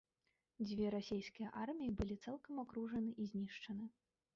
Дзве расійскія арміі былі цалкам акружаны і знішчаны.